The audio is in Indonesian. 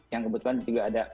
yang kebetulan juga ada